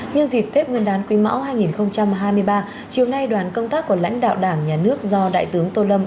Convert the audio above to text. nhân dịp tết nguyên đán quý mão hai nghìn hai mươi ba chiều nay đoàn công tác của lãnh đạo đảng nhà nước do đại tướng tô lâm